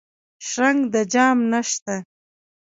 شرنګ د جام نشته